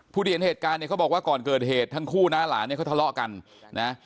ที่เห็นเหตุการณ์เนี่ยเขาบอกว่าก่อนเกิดเหตุทั้งคู่น้าหลานเนี่ยเขาทะเลาะกันนะ